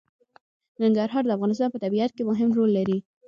ننګرهار د افغانستان په طبیعت کې مهم رول لري.